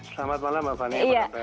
selamat malam mbak fania